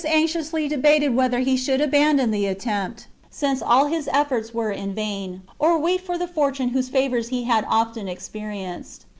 anxiously debated whether he should abandon the attempt, since all his efforts were in vain, or wait for the fortune whose favours he had often experienced.